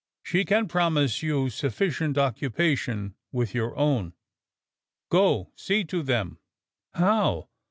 She can promise you sufficient occupation with your own. Go! See to them!" "How?